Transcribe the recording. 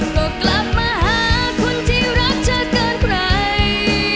ก็กลับมาหาคนที่รักเธอเกินใคร